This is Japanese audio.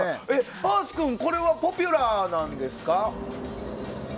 パース君これはポピュラーなんですか？